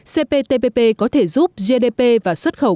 cptpp có thể giúp gdp và xuất khẩu